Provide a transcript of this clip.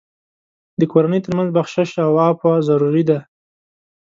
د کورنۍ تر منځ بخشش او عفو ضروري دي.